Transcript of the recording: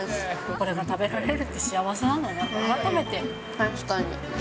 これが食べられるって幸せな確かに。